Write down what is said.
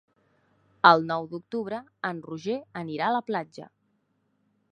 El nou d'octubre en Roger anirà a la platja.